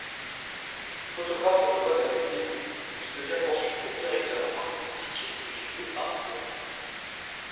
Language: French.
Photographe de mode à ses débuts, il devient ensuite directeur artistique du studio Harcourt.